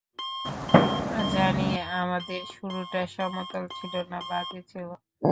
জানি আমাদের শুরুটা সমতল ছিল না, বাজে ছিল।